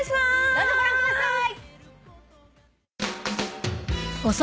どうぞご覧ください。